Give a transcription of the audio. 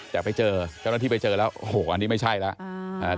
แต่ไปเจอเจ้าหน้าที่ไปเจอแล้วโอ้โหอันนี้ไม่ใช่แล้ว